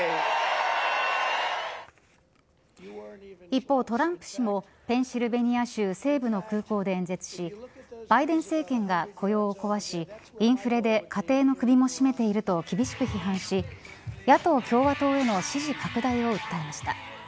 一方、トランプ氏もペンシルベニア州西部の空港で演説しバイデン政権が雇用を壊しインフレで家庭の首も絞めていると厳しく批判し野党共和党への支持拡大を訴えました。